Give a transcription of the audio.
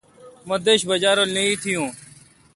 مہ دݭ بجہ رول نہ اتھی یوں۔